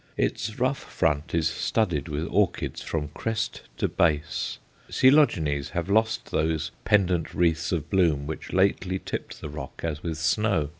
Its rough front is studded with orchids from crest to base. Coelogenes have lost those pendant wreaths of bloom which lately tipped the rock as with snow.